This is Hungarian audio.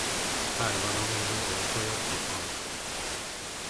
Tajvanon élő alfaja kihalt.